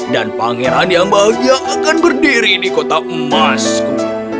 dan pangeran yang bahagia akan berdiri di kota emasku